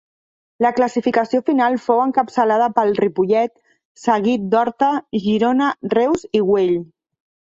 La classificació final fou encapçalada pel Ripollet, seguit d'Horta, Girona, Reus i Güell.